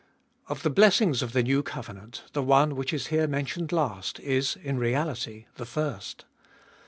OF the blessings of the new covenant, the one which is here mentioned last is in reality the first.